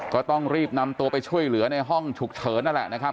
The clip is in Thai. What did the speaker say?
ก็ต้องรีบนำตัวไปช่วยเหลือในห้องฉุกเฉินนั่นแหละนะครับ